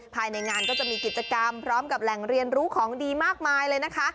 ภายในงานก็จะมีกิจกรรมพร้อมกับแหล่งเรียนรู้ของดีมากมายเลยนะคะ